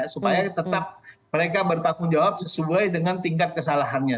supaya tetap mereka bertanggung jawab sesuai dengan tingkat kesalahannya